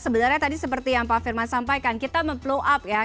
sebenarnya tadi seperti yang pak firman sampaikan kita mem plow up ya